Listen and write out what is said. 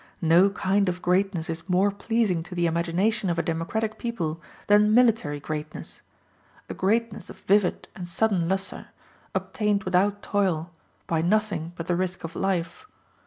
No kind of greatness is more pleasing to the imagination of a democratic people than military greatness a greatness of vivid and sudden lustre, obtained without toil, by nothing but the risk of life.